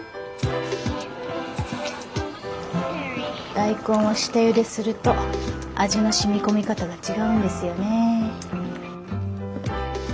大根は下ゆですると味の染み込み方が違うんですよねえ。